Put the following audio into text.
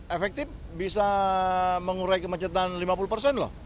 efektif bisa mengurai kemacetan lima puluh persen loh